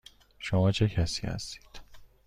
شما چه کسی هستید؟